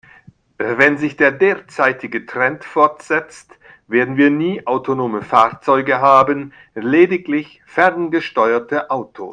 Wenn sich der derzeitige Trend fortsetzt, werden wir nie autonome Fahrzeuge haben, lediglich ferngesteuerte Autos.